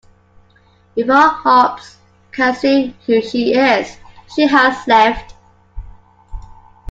Before Hobbs can see who she is, she has left.